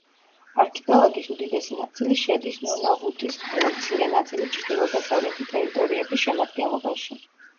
არქიპელაგის უდიდესი ნაწილი შედის ნუნავუტის, ხოლო მცირე ნაწილი ჩრდილო-დასავლეთი ტერიტორიები შემადგენლობაში.